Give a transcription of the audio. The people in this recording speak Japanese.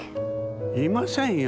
いませんよ。